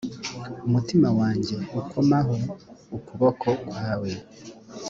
umutima wanjye uk maho ukuboko kwawe